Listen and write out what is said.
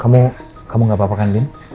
kamu kamu gak apa apakan din